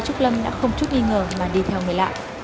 và thế là cậu bé trúc lâm đã không chút nghi ngờ mà đi theo người lạ